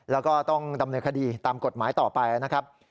แล้วก็ต้องดำเนินคดีตามกฎหมายต่อไปนะครับ